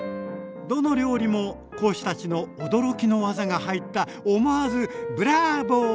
どの料理も講師たちの驚きの技が入った思わずブラボー！